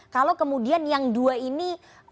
kalau kemudian yang dua ini